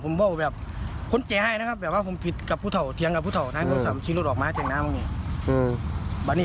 แล้วเจ้าจะคิดฟังแต่ผมไม่ได้บอกอะไร